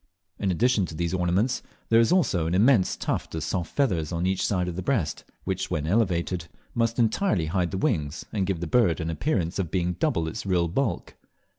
In addition to these ornaments, there is also an immense tuft of soft feathers on each side of the breast, which when elevated must entirely hide the wings, and give the bird au appearance of being double its real bulk.